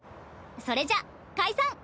それじゃ解散！